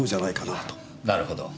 なるほど。